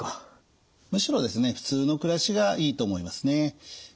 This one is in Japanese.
むしろですね普通の暮らしがいいと思いますね。